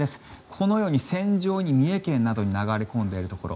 このように線状に、三重県などに流れ込んでいるところ。